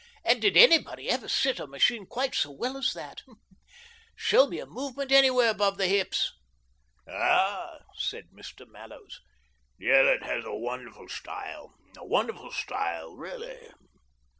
And did anybody ever sit a machine quite so well as that ? Show me a movement anywhere above the hips !'' "Ah," said Mr. Mallows, "Gillett has a wonderful style — a wonderful style, really